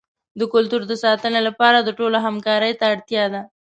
د کلتور د ساتنې لپاره د ټولو همکارۍ ته اړتیا ده.